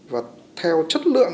và theo chất lượng